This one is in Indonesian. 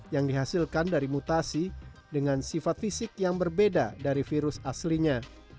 yang dihasilkan dari mutasi dengan sifat fisik yang berbeda dari virus aslinya